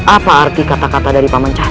apa arti kata kata dari pak mencata